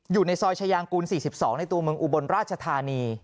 อยู่ในซอยชายางกูล๔๒ในตัวเมืองอุบลราชธานี